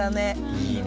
いいね。